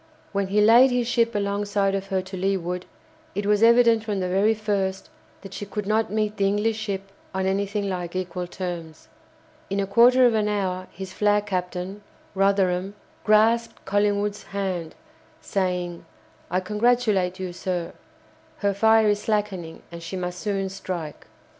When he laid his ship alongside of her to leeward, it was evident from the very first that she could not meet the English ship on anything like equal terms. In a quarter of an hour his flag captain, Rotherham, grasped Collingwood's hand, saying: "I congratulate you, sir. Her fire is slackening, and she must soon strike."